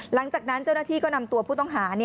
หลังจากนั้นเจ้าหน้าที่ก็นำตัวผู้ต้องหา